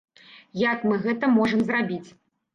Як мы гэта можам зрабіць?